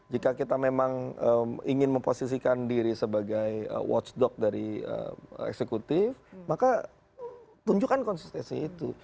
jika kita memang ingin memposisikan diri sebagai watchdog dari eksekutif maka tunjukkan konsistensi itu